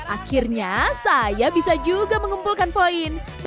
akhirnya saya bisa juga mengumpulkan poin